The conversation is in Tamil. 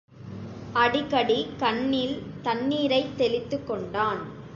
அடிக்கடி கண்ணில் தண்ணீரைத் தெளித்துக் கொண்டான்.